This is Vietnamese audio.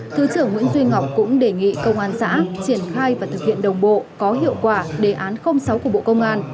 thứ trưởng nguyễn duy ngọc cũng đề nghị công an xã triển khai và thực hiện đồng bộ có hiệu quả đề án sáu của bộ công an